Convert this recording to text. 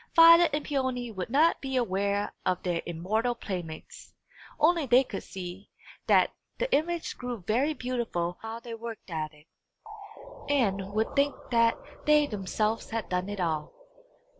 Violet and Peony would not be aware of their immortal playmates only they could see that the image grew very beautiful while they worked at it, and would think that they themselves had done it all.